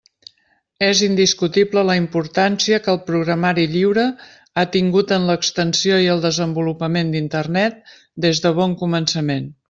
És indiscutible la importància que el programari lliure ha tingut en l'extensió i el desenvolupament d'Internet des de bon començament.